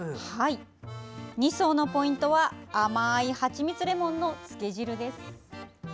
２層のポイントは甘いはちみつレモンのつけ汁です。